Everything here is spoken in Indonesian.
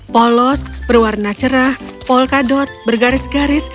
polos berwarna cerah polkadot bergaris garis